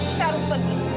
saya harus pergi